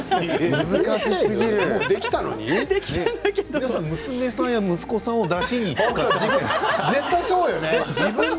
皆さん娘さんや息子さんをだしに使ってますね。